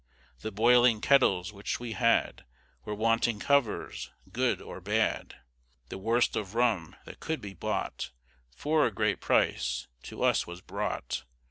The boiling kettles which we had, Were wanting covers, good or bad; The worst of rum that could be bought, For a great price, to us was brought.